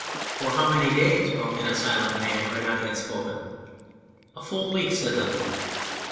" For how many days ?" broke in a silent man who had not yet spoken. " A full week/' said the leader.